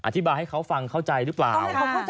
อธิบายให้เขาฟังเข้าใจหรือเปล่า